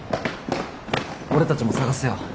俺たちも捜すよ。